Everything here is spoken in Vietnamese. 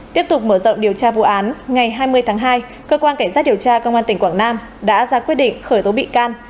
tiếp tục mở rộng điều tra vụ án ngày hai mươi tháng hai cơ quan cảnh sát điều tra công an tỉnh quảng nam đã ra quyết định khởi tố bị can